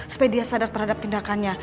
supaya dia sadar terhadap tindakannya